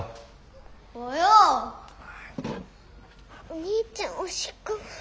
お兄ちゃんおしっこ。